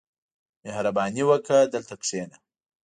• مهرباني وکړه، دلته کښېنه.